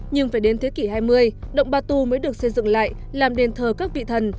nhưng phải đến thế kỷ hai mươi động ba tu mới được xây dựng lại làm đền thờ các vị thần